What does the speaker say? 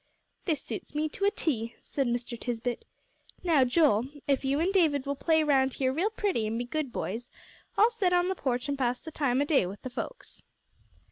"This suits me to a T," said Mr. Tisbett. "Now, Joel, if you and David will play round here real pretty, an' be good boys, I'll set on th' porch an' pass th' time o' day with the folks."